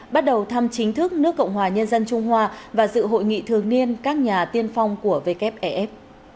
bắt đầu thăm chính thức nước cộng hòa nhân dân trung hoa và dự hội nghị thường niên các nhà tiên phong của wfef